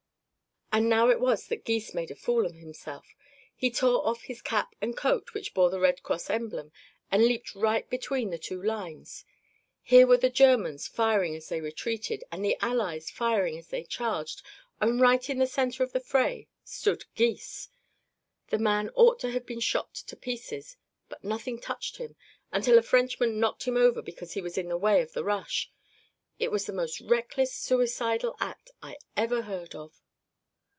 "And now it was that Gys made a fool of himself. He tore off his cap and coat, which bore the Red Cross emblem, and leaped right between the two lines. Here were the Germans, firing as they retreated, and the Allies firing as they charged, and right in the center of the fray stood Gys. The man ought to have been shot to pieces, but nothing touched him until a Frenchman knocked him over because he was in the way of the rush. It was the most reckless, suicidal act I ever heard of!"